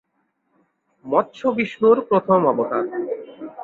মৎস্য বিষ্ণুর প্রথম অবতার।